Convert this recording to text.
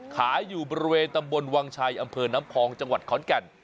อยู่บริเวณตำบลวังชัยอำเภอน้ำพองจังหวัดขอนแก่น